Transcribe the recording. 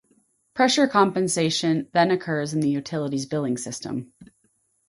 Pressure compensation then occurs in the utility's billing system.